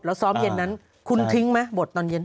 แล้วซ้อมเย็นนั้นคุณทิ้งไหมบทตอนเย็น